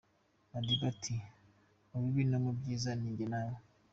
Madiba ati "Mubibi no mu byiza ni njye nawe.